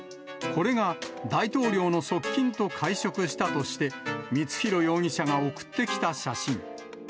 これが大統領の側近と会食したとして、光弘容疑者が送ってきた写真。